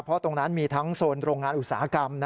เพราะตรงนั้นมีทั้งโซนโรงงานอุตสาหกรรม